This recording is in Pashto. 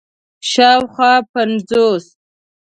شاوخوا پنځوس